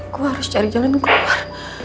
gua harus cari jalan keluar